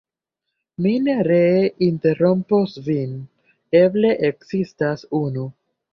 Mi ne ree interrompos vin; eble ekzistas unu.